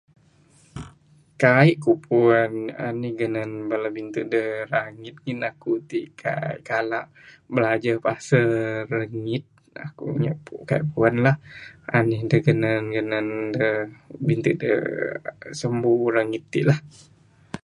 Kaik ku puen anih genen bala binte da rangit, ngin aku ti kaik kala bilajer pasel rangit, aku nyep pu, kaik puen lah, anih da genen genen da binte da sambu rangit ti lah.